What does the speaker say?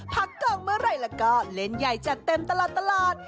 พักกองเมื่อไหร่แล้วก็เล่นใหญ่จัดเต็มตลอด